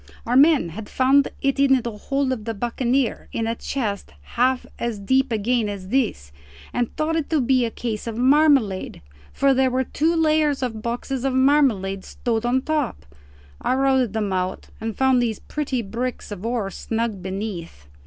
Our men had found it in the hold of the buccaneer in a chest half as deep again as this, and thought it to be a case of marmalade, for there were two layers of boxes of marmalade stowed on top. I routed them out and found those pretty bricks of ore snug beneath.